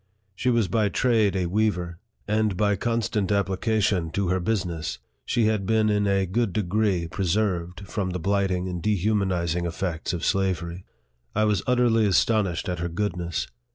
She was by trade a weaver ; and by constant application to her business, she had been in a good degree preserved from the blighting and dehu manizing effects of slavery. I was utterly astonished at her goodness.